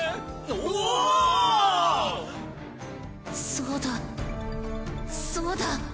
そうだそうだ。